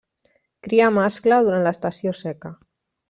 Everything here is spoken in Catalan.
Cria mascle durant l'estació seca.